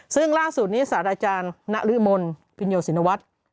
ซึ่งล่าสุดนี้สหรัฐอาจารย์ณริมลพินโยศินวัฒน์